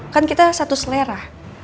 kan kita satu selera